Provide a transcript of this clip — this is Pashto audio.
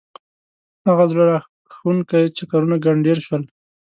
هغه زړه راکښونکي چکرونه ګنډېر شول.